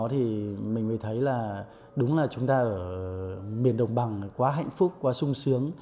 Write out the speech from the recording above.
thì mình mới thấy là đúng là chúng ta ở miền đồng bằng quá hạnh phúc quá sung sướng